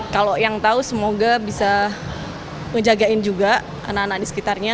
kalau yang tahu semoga bisa menjagain juga anak anak di sekitarnya